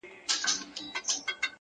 چي عقل نه لري هیڅ نه لري -